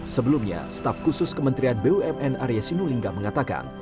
sebelumnya staf khusus kementerian bumn arya sinulinga mengatakan